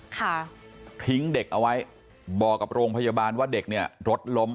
ค่ะทิ้งเด็กเอาไว้บอกกับโรงพยาบาลว่าเด็กเนี่ยรถล้ม